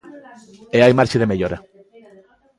E hai marxe de mellora.